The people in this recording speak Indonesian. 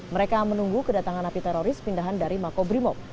mereka menunggu kedatangan api teroris pindahan dari makobrimob